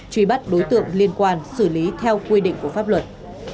truy bắt đối tượng liên quan xử lý theo quy định của pháp luật